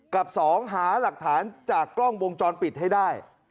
กับ๒หาหลักฐานจากกล้องวงจรปิดให้ได้